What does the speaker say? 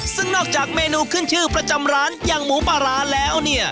ซึ่งนอกจากเมนูขึ้นชื่อประจำร้านอย่างหมูปลาร้าแล้วเนี่ย